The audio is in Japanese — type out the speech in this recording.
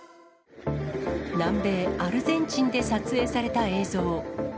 南米アルゼンチンで撮影された映像。